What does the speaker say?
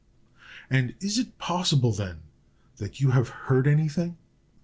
"And is it possible, then, that you have heard any thing?"